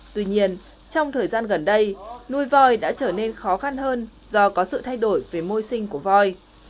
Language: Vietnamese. tuy nhiên trong thời gian gần đây nuôi voi đã trở nên khó khăn hơn do có sự thay đổi về môi sinh của voi